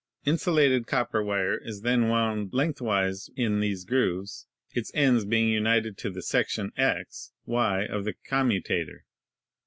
Insulated copper wire is then wound lengthwise in these grooves, its ends being united to the section x, y of the commutator.